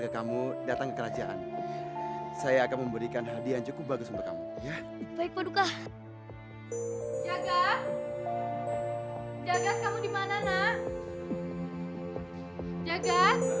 sekarang cepat sembuhkan istriku yang sebenarnya